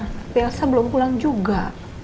tapi elsa belum pulang juga